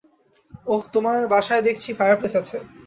অহ, তোমার বাসায় দেখছি ফায়ারপ্লেস আছে।